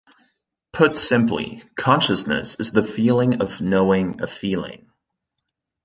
Put simply, consciousness is the feeling of knowing a feeling.